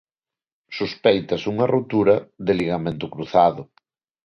Sospéitase unha rotura de ligamento cruzado.